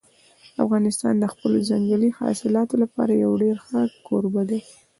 افغانستان د خپلو ځنګلي حاصلاتو لپاره یو ډېر ښه کوربه دی.